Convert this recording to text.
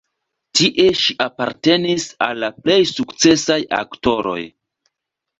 Tie ŝi apartenis al la plej sukcesaj aktoroj.